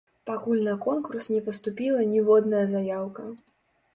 Пакуль на конкурс не паступіла ніводная заяўка.